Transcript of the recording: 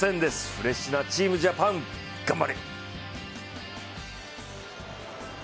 フレッシュなチームジャパン、頑張れ。